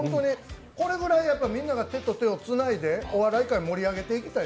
これぐらい、みんなが手と手をつないでお笑い界盛り上げていきたい